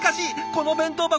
この弁当箱